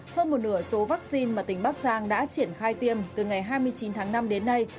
hơn một nửa số vaccine mà tỉnh bắc giang đã triển khai tiêm từ ngày hai mươi chín tháng năm đến nay